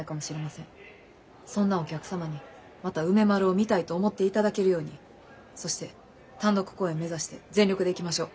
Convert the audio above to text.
そんなお客様にまた梅丸を見たいと思っていただけるようにそして単独公演目指して全力でいきましょう。